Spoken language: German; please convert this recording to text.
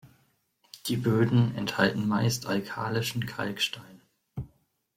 Die Böden enthalten meist alkalischen Kalkstein.